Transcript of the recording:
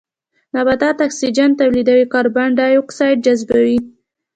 نباتات اکسيجن توليدوي او کاربن ډای اکسايد جذبوي